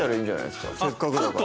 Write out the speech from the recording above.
せっかくだから。